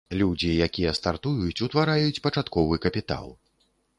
Людзі, якія стартуюць, утвараюць пачатковы капітал.